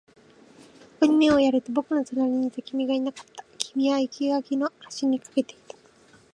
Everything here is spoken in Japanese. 横に目をやると、僕の隣にいた君がいなかった。君は生垣の端に駆けていた。